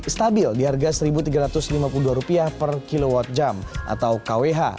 stabil di harga rp satu tiga ratus lima puluh dua per kwh